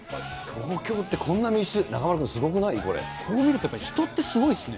東京ってこんな密集、中丸君、こう見るとやっぱり、人ってすごいですね。